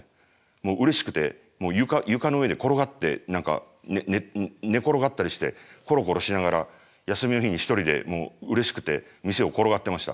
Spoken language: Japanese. もううれしくて床の上で転がって何か寝転がったりしてコロコロしながら休みの日に一人でうれしくて店を転がってました。